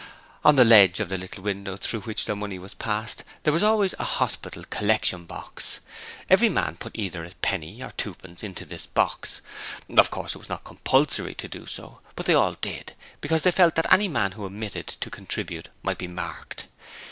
On the ledge of the little window through which their money was passed there was always a Hospital collection box. Every man put either a penny or twopence into this box. Of course, it was not compulsory to do so, but they all did, because they felt that any man who omitted to contribute might be 'marked'.